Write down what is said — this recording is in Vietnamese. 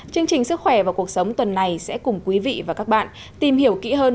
chương trình sức khỏe và cuộc sống tuần này sẽ cùng quý vị và các bạn tìm hiểu kỹ hơn